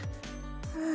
うん。